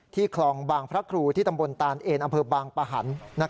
คลองบางพระครูที่ตำบลตานเอนอำเภอบางปะหัน